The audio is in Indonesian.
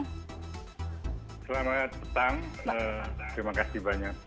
selamat petang terima kasih banyak